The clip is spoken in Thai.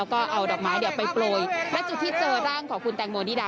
แล้วก็เอาดอกไม้เดี๋ยวไปปล่อยแล้วจุดที่เจอร่างของคุณแตงโมนิดา